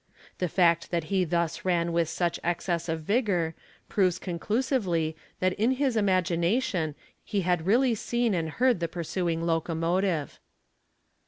The fact that he thus ran with such excess of vigour, proves conclusively that in his imagination he had SM AR a» ma teally seen and heard the pursuing locomotive.